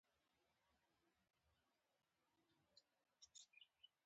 خپل کور ته قدر ورکول لازمي دي.